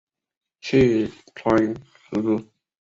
细川持之。